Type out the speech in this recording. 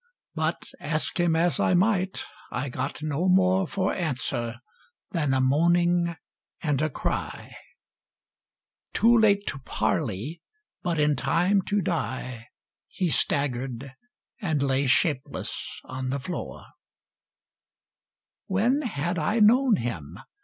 But ask him as I might, I got no more For answer than a moaning and a cry: Too late to parley, but in time to die, He staggered, and lay shapeless on the floor E95| When had I known hun?